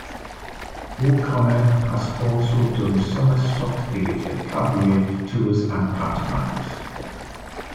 O'Connor has also done summer stock theatre, cabaret tours and pantomimes.